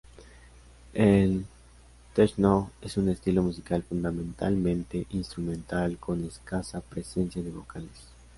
El "techno" es un estilo musical fundamentalmente instrumental, con escasa presencia de vocales.